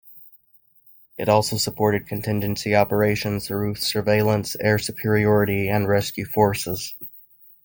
It also supported contingency operations through surveillance, air superiority and rescue forces.